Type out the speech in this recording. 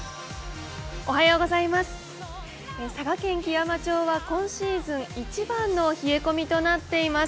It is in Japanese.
佐賀県基山町は今シーズン一番の冷え込みとなっています。